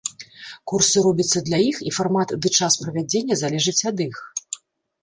Курсы робяцца для іх, і фармат ды час правядзення залежыць ад іх.